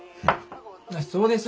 そうです。